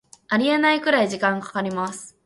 ありえないくらい時間かかります